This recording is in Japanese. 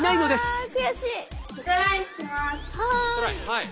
はい。